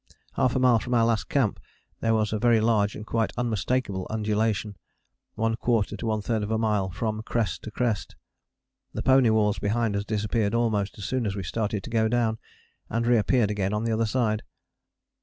Half a mile from our last camp there was a very large and quite unmistakable undulation, one quarter to one third of a mile from crest to crest: the pony walls behind us disappeared almost as soon as we started to go down, and reappeared again on the other side.